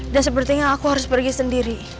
dan sepertinya aku harus pergi sendiri